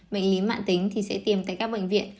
bệnh lý mạng tính thì sẽ tiêm tại các bệnh viện